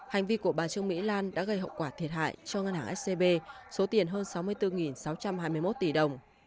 hành vi của bà trương mỹ lan đã gây hậu quả thiệt hại cho ngân hàng scb số tiền hơn sáu mươi bốn sáu trăm hai mươi một tỷ đồng